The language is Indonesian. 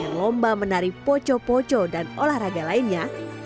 dan kbri rusia yang menari poco poco dan olahraga lainnya